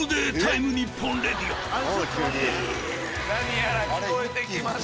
何やら聞こえてきましたよ。